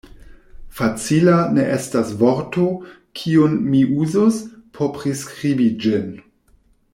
Facila ne estas vorto, kiun mi uzus, por priskribi ĝin.